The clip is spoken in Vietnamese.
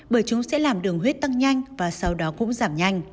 bởi chúng sẽ làm đường huyết tăng nhanh và sau đó cũng giảm nhanh